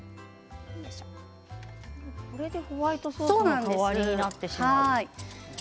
これがホワイトソースの代わりになるんですね。